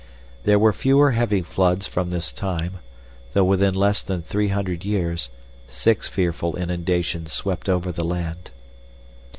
There were fewer heavy floods from this time, though within less than three hundred years, six fearful inundations swept over the land.